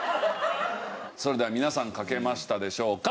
それでは皆さん書けましたでしょうか。